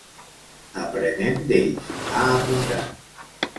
“Aprenem d’ells”, ha apuntat.